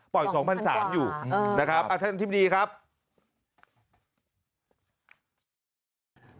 ปล่อย๒๐๐๐กว่านะครับท่านอธิบดีครับอยู่